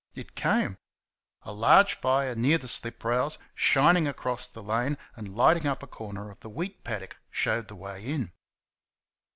It came. A large fire near the slip rails, shining across the lane and lighting up a corner of the wheat paddock, showed the way in.